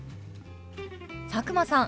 佐久間さん